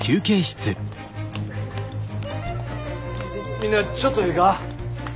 みんなちょっとええか？